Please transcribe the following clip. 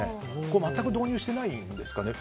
全く導入してないんですかね。